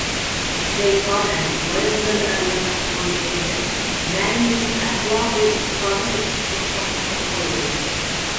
زەيپانە، لايغەزەل ئەرلەر قاپلىغان جەمئىيەت مەنىۋى، ئەخلاقىي، ئىقتىسادىي كرىزىسنىڭ پاتقىقىدا قالىدۇ.